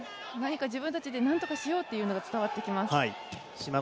自分たちで何とかしようというのが伝わってきます。